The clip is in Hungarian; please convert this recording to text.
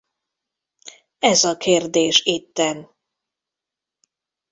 Ez a kérdés itten.